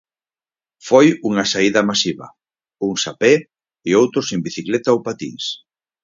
Foi unha saída masiva: uns a pé e outros en bicicleta ou patíns.